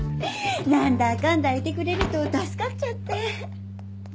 何だかんだいてくれると助かっちゃって。